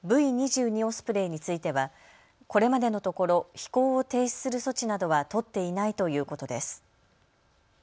オスプレイについてはこれまでのところ飛行を停止する措置などは取っていないということです。